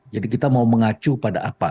jadi kita mau mengacu pada apa